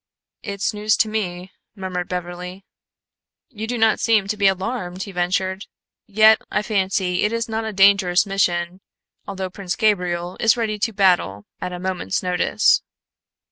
"It's news to me," murmured Beverly. "You do not seem to be alarmed," he ventured. "Yet I fancy it is not a dangerous mission, although Prince Gabriel is ready to battle at a moment's notice."